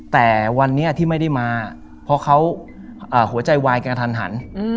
แต่วันนี้ที่ไม่ได้มาเพราะเขาหัวใจวายกระทันหัน